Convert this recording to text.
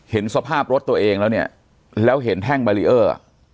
เห็นสภาพรถตัวเองแล้วเนี่ยแล้วเห็นแท่งบารีเออร์อ่ะ